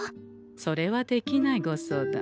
それはできないご相談。